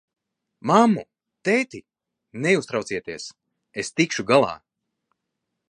Mammu, tēti, neuztraucieties, es tikšu galā!